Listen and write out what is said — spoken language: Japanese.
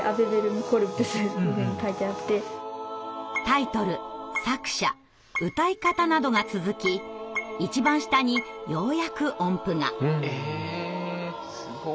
タイトル作者歌い方などが続き一番下にようやく音符が。